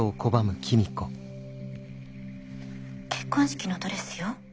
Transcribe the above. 結婚式のドレスよ。